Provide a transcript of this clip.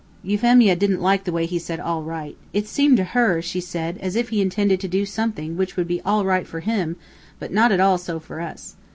Euphemia didn't like the way he said "all right." It seemed to her, she said, as if he intended to do something which would be all right for him, but not at all so for us.